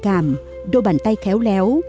cảm đôi bàn tay khéo léo